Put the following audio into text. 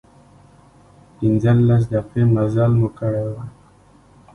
پنځلس دقيقې مزل مو کړی و.